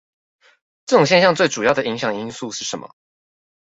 這種現象的最主要影響因素是什麼？